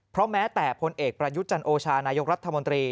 เพราะแม้แต่พลเอกประยุทธ์จันโอชานายกรัฐมนตรี